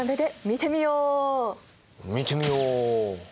見てみよう。